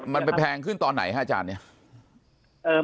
มันไปแพงขึ้นตอนไหนฮะอาจารย์เนี่ย